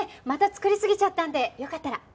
また作りすぎちゃったんでよかったら。